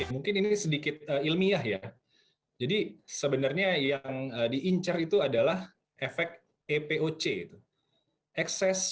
mungkin ini sedikit ilmiah ya jadi sebenarnya yang diincar itu adalah efek epoc itu ekses